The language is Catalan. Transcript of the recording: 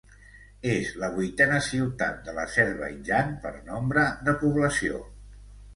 És la vuitena ciutat de l'Azerbaidjan per nombre de població.